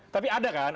tapi ada kan